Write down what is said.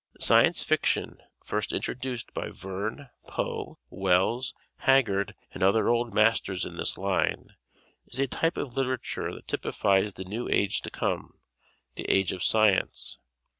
Science Fiction, first introduced by Verne, Poe, Wells, Haggard and other old masters in this line, is a type of literature that typifies the new age to come the age of science.